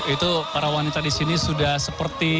itu para wanita disini sudah seperti